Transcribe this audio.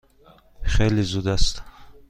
خیلی زود است.